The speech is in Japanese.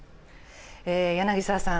柳澤さん。